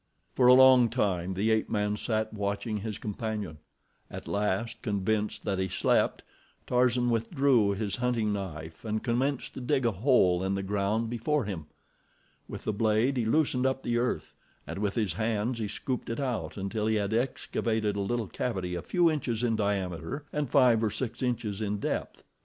For a long time the ape man sat watching his companion. At last, convinced that he slept, Tarzan withdrew his hunting knife and commenced to dig a hole in the ground before him. With the blade he loosened up the earth, and with his hands he scooped it out until he had excavated a little cavity a few inches in diameter, and five or six inches in depth.